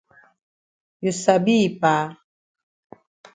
You sabi yi pa.